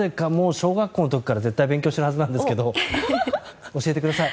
小学校の時勉強しているはずなんですけど教えてください。